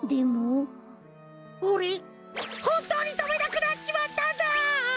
おれホントにとべなくなっちまったんだ！